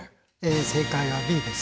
正解はＢです。